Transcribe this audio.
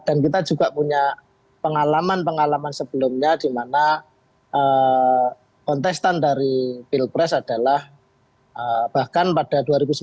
dan kita juga punya pengalaman pengalaman sebelumnya di mana kontestan dari pilpres adalah bahkan pada dua ribu sembilan belas